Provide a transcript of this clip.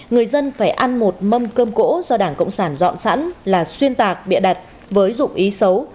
người dân phải ăn một mâm cơm cũ do đảng cộng sản dọn sẵn là xuyên tạc bịa đặt với dụng ý xấu